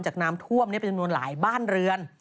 จากน้ำท่วมเป็นจำนวนหลายบ้านเรือน